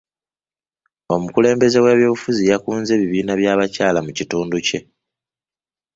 Omukulembeze w'ebyobufuzi yakunze ebibiina by'abakyala mu kitundu kye.